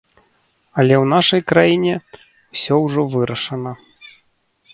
Але ў нашай краіне ўсё ўжо вырашана.